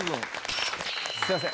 すみません。